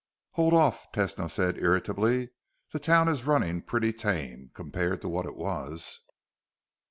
"Hold off," Tesno said irritably. "The town is running pretty tame compared to what it was."